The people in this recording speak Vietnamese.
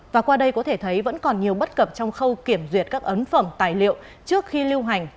và qua đây có thể thấy vẫn còn nhiều bất cập trong khâu kiểm duyệt các ấn phẩm tài liệu trước khi lưu hành